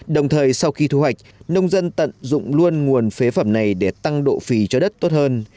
đồng thời sau khi thu hoạch nông dân tận dụng luôn nguồn phế phẩm này để tăng độ phì cho đất tốt hơn